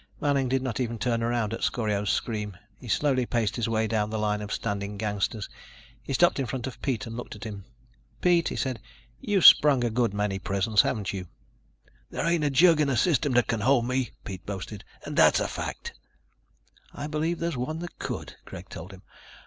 Manning did not even turn around at Scorio's scream. He slowly paced his way down the line of standing gangsters. He stopped in front of Pete and looked at him. "Pete," he said, "you've sprung a good many prisons, haven't you?" "There ain't a jug in the System that can hold me," Pete boasted, "and that's a fact." "I believe there's one that could," Greg told him.